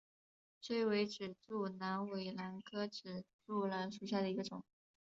雉尾指柱兰为兰科指柱兰属下的一个种。